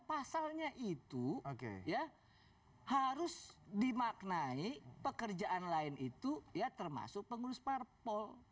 pasalnya itu ya harus dimaknai pekerjaan lain itu ya termasuk pengurus parpol